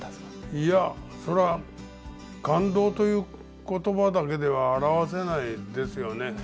いやそれは感動という言葉だけでは表せないですよね。